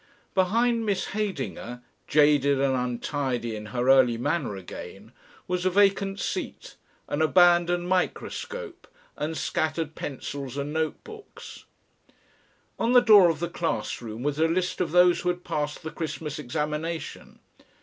Behind Miss Heydinger, jaded and untidy in her early manner again, was a vacant seat, an abandoned microscope and scattered pencils and note books. On the door of the class room was a list of those who had passed the Christmas examination.